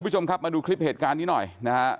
คุณผู้ชมครับมาดูคลิปเหตุการณ์นี้หน่อยนะฮะ